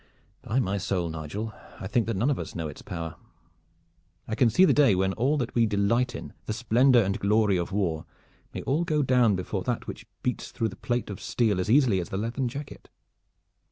"By my soul, Nigel, I think that none of us know its power. I can see the day when all that we delight in, the splendor and glory of war, may all go down before that which beats through the plate of steel as easily as the leathern jacket.